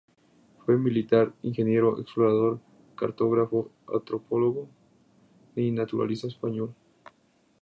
Fue un militar, ingeniero, explorador, cartógrafo, antropólogo y naturalista español.